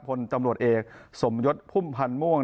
พลตำรวจเอกสมยศพุ่มพันธ์ม่วง